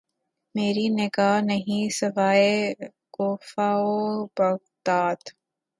مری نگاہ نہیں سوئے کوفہ و بغداد